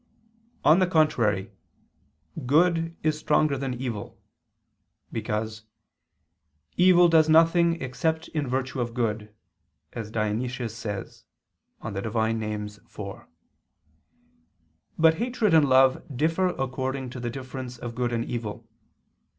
On the contrary, Good is stronger than evil; because "evil does nothing except in virtue of good," as Dionysius says (Div. Nom. iv). But hatred and love differ according to the difference of good and evil.